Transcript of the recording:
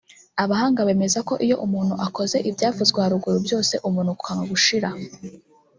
Abahanga bemeza ko iyo umuntu akoze ibyavuzwe haruguru byose umunuko ukanga gushira